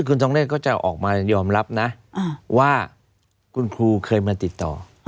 คุณทองเศษก็จะออกมายอมรับนะว่าคุณครูเคยมาติดต่อ